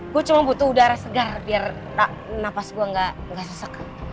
gue cuma butuh udara segar biar napas gue gak sesek